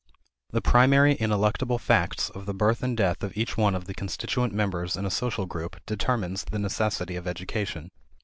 The primary ineluctable facts of the birth and death of each one of the constituent members in a social group determine the necessity of education.